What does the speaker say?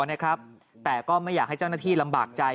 แต่ก็ไม่อยากให้เจ้าหน้าที่ลำบากใจ